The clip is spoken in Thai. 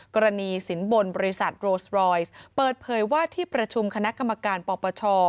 กรณีสินบนบริษัทโรสบรอยซ์เปิดเผยว่าที่ประชุมคณะกรรมการปปช